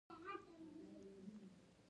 لالا لاجپت رای د پولیسو په وهلو ټپي شو.